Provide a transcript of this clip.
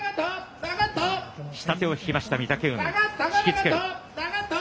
下手を引きました御嶽海、引き付ける。